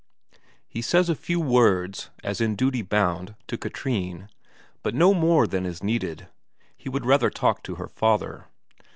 He says a few words, as in duty bound, to Katrine, but no more than is needed; he would rather talk to her father.